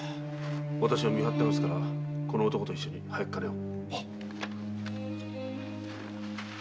私は見張ってますからこの男と一緒に早く金を。